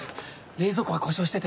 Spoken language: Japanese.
冷蔵庫が故障してて。